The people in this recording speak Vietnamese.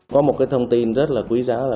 có một thông tin rất là quý giá